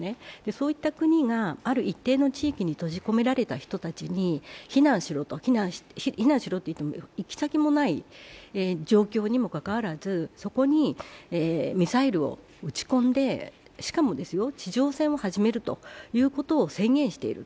そういった国がある一定の地域に閉じ込められて人たちに避難しろと、行先もない状況にもかかわらずそこにミサイルを撃ち込んで、しかも地上戦を始めると宣言している。